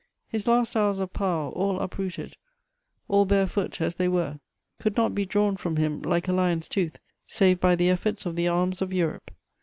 His last hours of power, all uprooted, all barefoot as they were, could not be drawn from him, like a lion's tooth, save by the efforts of the arms of Europe.